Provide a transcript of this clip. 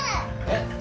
えっ？